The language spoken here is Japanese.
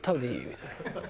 みたいな。